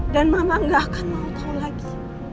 dan mama gak akan mau tau lagi